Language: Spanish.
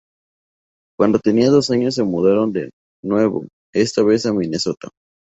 Cuando tenía dos años se mudaron de nuevo, esta vez a Minnesota.